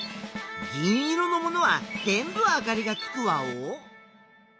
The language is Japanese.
銀色のものはぜんぶあかりがつくワオ？